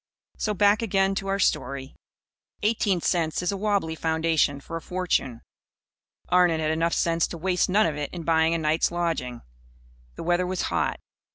So, back again to our story. Eighteen cents is a wabbly foundation for a fortune. Arnon had enough sense to waste none of it in buying a night's lodging. The weather was hot.